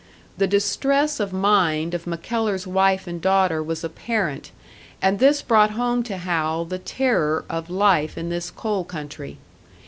The distress of mind of MacKellar's wife and daughter was apparent, and this brought home to Hal the terror of life in this coal country.